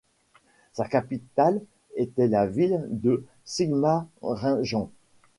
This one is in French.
Sa capitale était la ville de Sigmaringen.